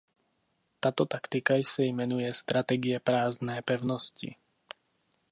Tato taktika se jmenuje "strategie prázdné pevnosti".